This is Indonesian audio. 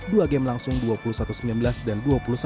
dua game langsung dua ribu sembilan belas dan dua ribu tiga belas